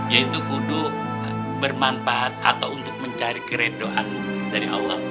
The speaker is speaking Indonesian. yaitu kudu bermanfaat atau untuk mencari keredoan dari allah